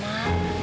mas wisnu juga sama